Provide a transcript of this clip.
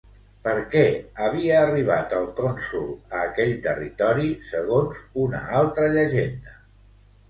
Per què havia arribat el cònsol a aquell territori, segons una altra llegenda?